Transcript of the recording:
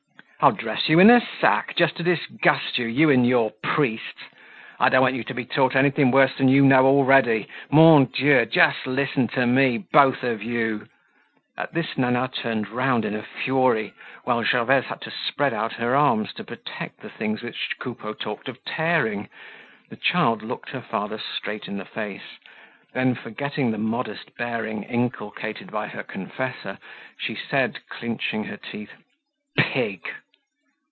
I'll dress you in a sack, just to disgust you, you and your priests. I don't want you to be taught anything worse than you know already. Mon Dieu! Just listen to me, both of you!" At this Nana turned round in a fury, whilst Gervaise had to spread out her arms to protect the things which Coupeau talked of tearing. The child looked her father straight in the face; then, forgetting the modest bearing inculcated by her confessor, she said, clinching her teeth: "Pig!"